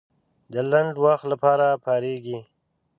د لنډ وخت لپاره پارېږي.